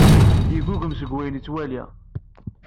Yeggugem seg wayen yettwali.